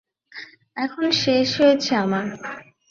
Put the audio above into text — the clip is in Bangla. এখন শেষ হয়েছে আমার।